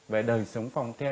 về đời sống phòng the